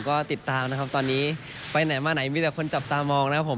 ก็ติดตามนะครับตอนนี้ไปไหนมาไหนมีแต่คนจับตามองนะครับผม